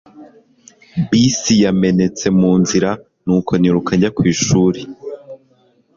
bisi yamenetse mu nzira, nuko niruka njya ku ishuri